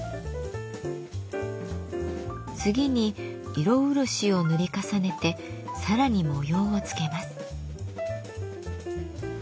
次に色漆を塗り重ねてさらに模様をつけます。